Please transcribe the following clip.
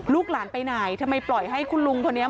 ลูกหลานไปไหนทำไมปล่อยให้คุณลุงคนนี้